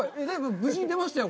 無事に出ましたよ。